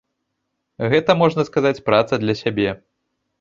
Гэта, можна сказаць, праца для сябе.